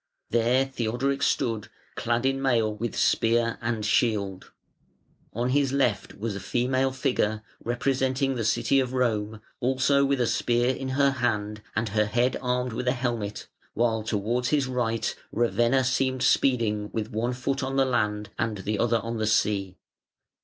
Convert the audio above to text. There Theodoric stood, clad in mail, with spear and shield. On his left was a female figure representing the City of Rome, also with a spear in her hand and her head armed with a helmet, while towards his right Ravenna seemed speeding with one foot on the land and the other on the sea.